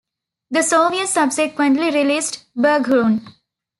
The Soviets subsequently released Barghoorn.